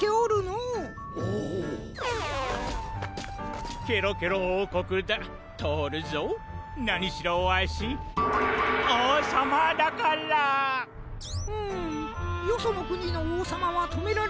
うむよそのくにのおうさまはとめられんのう。